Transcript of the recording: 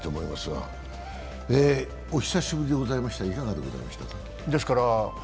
お久しぶりでございましたがいかがでございました？